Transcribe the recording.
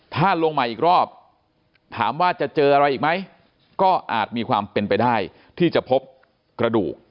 ถ้าลงมาอีกรอบถามว่าจะเจออะไรอีกไหมก็อาจมีความเป็นไปได้ที่จะพบกระดูก